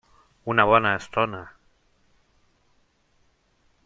Una bona estona.